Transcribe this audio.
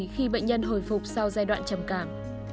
khi bệnh nhân hồi phục sau giai đoạn trầm cảm